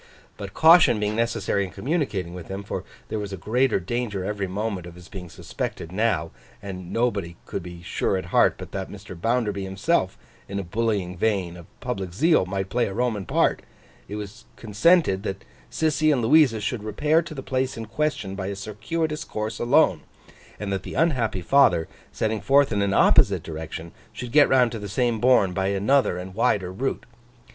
But, caution being necessary in communicating with him—for there was a greater danger every moment of his being suspected now, and nobody could be sure at heart but that Mr. Bounderby himself, in a bullying vein of public zeal, might play a Roman part—it was consented that Sissy and Louisa should repair to the place in question, by a circuitous course, alone; and that the unhappy father, setting forth in an opposite direction, should get round to the same bourne by another and wider route.